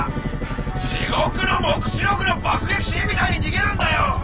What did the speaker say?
「地獄の黙示録」の爆撃シーンみたいに逃げるんだよ！